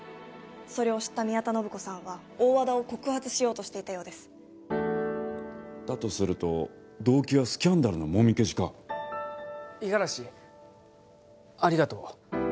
それを知った宮田信子さんは大和田を告発しようとしていたようですだとすると動機はスキャンダルのもみ消しか五十嵐ありがとう